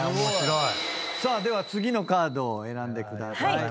さあでは次のカードを選んでください。